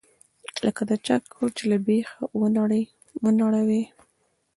لکه د چا کور چې له بيخه ونړوې.